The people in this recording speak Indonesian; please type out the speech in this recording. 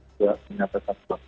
tidak menyatakan sebab